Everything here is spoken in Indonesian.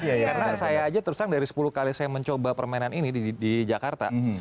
karena saya aja terus terang dari sepuluh kali saya mencoba permainan ini di jakarta